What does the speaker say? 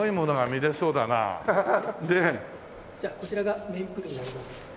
じゃあこちらがメインプールになります。